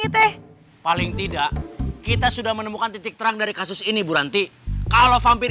teh paling tidak kita sudah menemukan titik terang dari kasus ini bu ranti kalau sampai